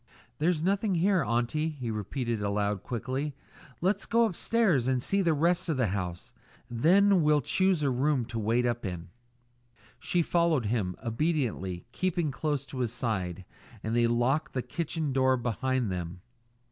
"There's nothing here, aunty," he repeated aloud quickly. "Let's go upstairs and see the rest of the house. Then we'll choose a room to wait up in." She followed him obediently, keeping close to his side, and they locked the kitchen door behind them.